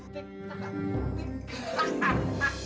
tak tak taktik